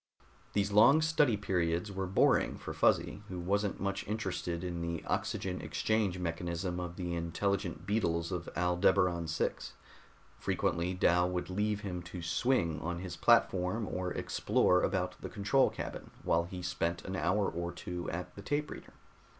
These long study periods were boring for Fuzzy who wasn't much interested in the oxygen exchange mechanism of the intelligent beetles of Aldebaran VI. Frequently Dal would leave him to swing on his platform or explore about the control cabin while he spent an hour or two at the tape reader.